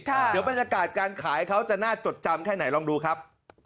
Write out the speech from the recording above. เดี๋ยวบรรยากาศการขายเขาจะน่าจดจำแค่ไหนลองดูครับ